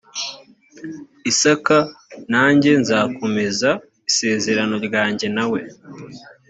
isaka nanjye nzakomeza isezerano ryanjye na we